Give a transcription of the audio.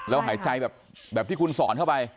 แล้วหายใจแบบที่คุณสอนเข้าไป